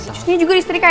cucuknya juga istrika ya